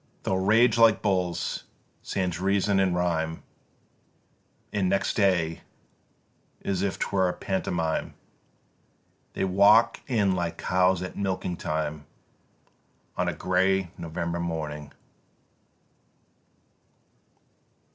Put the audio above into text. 7. "They'll rage like bulls sans reason or rhyme, And next day, as if 'twere a pantomime, They walk in like cows at milking time, On a grey November morning.